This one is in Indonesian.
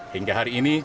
hingga hari ini